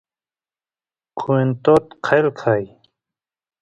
kwentot qelqay